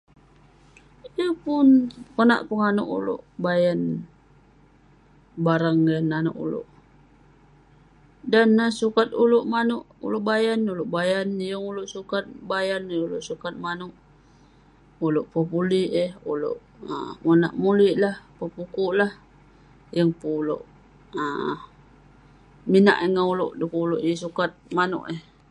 Yeng pun konak penganouk ulouk bayan barang yah nalek ulouk, dan neh sukat ulouk manouk ulouk bayan, ulouk bayan..yeng ulouk sukat bayan, yeng ulouk sukat manouk..ulouk pepulik eh..ulouk um minak mulik, pepukuk lah..yeng pun ulouk um minak eh ngan ulouk dukuk ulouk yeng sukat manouk eh..